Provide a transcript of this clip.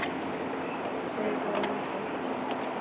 سڀ سهي ڪرڻ ري ڪوشش ڪر.